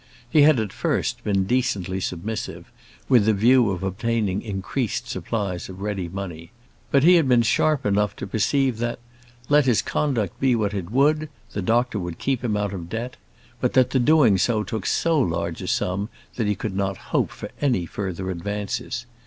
He had at first been decently submissive, with the view of obtaining increased supplies of ready money; but he had been sharp enough to perceive that, let his conduct be what it would, the doctor would keep him out of debt; but that the doing so took so large a sum that he could not hope for any further advances.